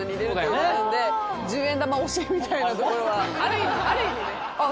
１０円玉推しみたいなところはある意味ある意味ね。